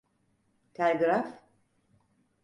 Telgraf…